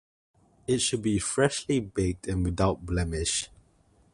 It should be freshly baked and without blemish.